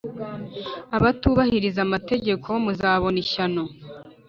abatubahiriza Amategeko muzabona ishyano